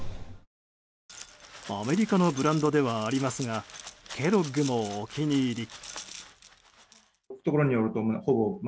アメリカのブランドではありますがケロッグもお気に入り。